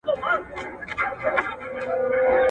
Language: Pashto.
ویل خلاص مي کړې له غمه انعام څه دی!